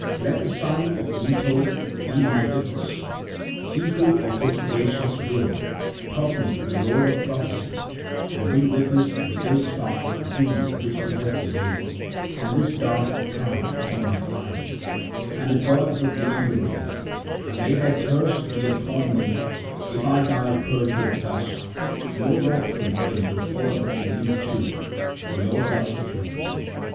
Let the son of Leto be my witness, he who of his gracious will taught me the lore of prophecy, and be witness the ill starred doom which possesses me and this dark cloud upon my eyes, and the gods of the underworld—and may their curse be upon me if I die perjured thus—no wrath from heaven will fall upon you two for your help to me."